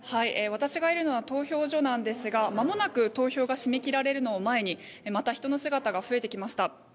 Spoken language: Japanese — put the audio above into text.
私がいるのは投票所なんですがまもなく投票が締め切られるのを前にまた人の姿が増えてきました。